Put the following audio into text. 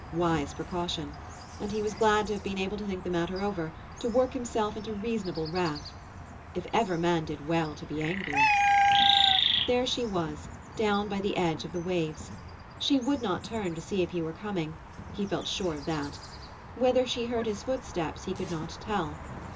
Wise precaution. And he was glad to have been able to think the matter over, to work himself into reasonable wrath. If ever man did well to be angry—! There she was, down by the edge of the waves. She would not turn to see if he were coming; he felt sure of that. Whether she heard his footsteps he could not tell.